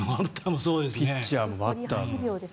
ピッチャーもバッターも。